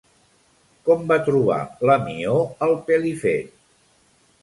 Com va trobar la Mió al Pelifet?